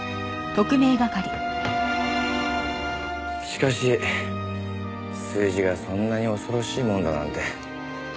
しかし数字がそんなに恐ろしいものだなんて。